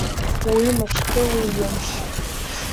Уи мышкы, уи ҩымш.